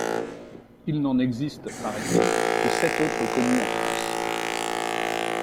Il n'en existe, parait-il, que sept autres connus en France.